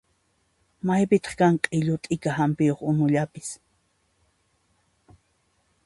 Maypitaq kan q'illu t'ika hampiyuq unullapis?